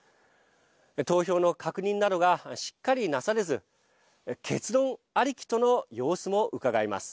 投票の確認などがしっかりなされず結論ありきとの様子もうかがえます。